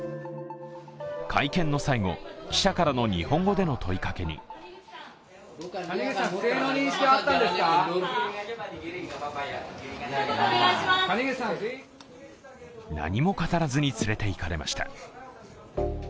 会見の最後、記者からの日本語での問いかけに何も語らずに連れていかれました。